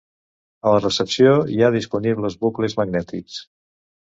A la recepció hi ha disponibles bucles magnètics.